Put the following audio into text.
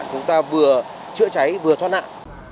chúng ta vừa chữa cháy vừa thoát nạn